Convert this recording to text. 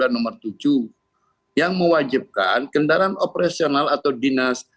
nomor tujuh yang mewajibkan kendaraan operasional atau dinas